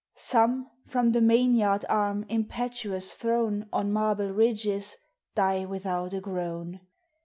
Some, from the main yard arm impetuous thrown On marble ridges, die without a groan.